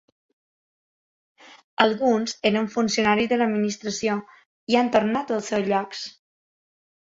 Alguns eren funcionaris de l’administració i han tornat als seus llocs.